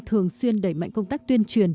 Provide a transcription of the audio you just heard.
thường xuyên đẩy mạnh công tác tuyên truyền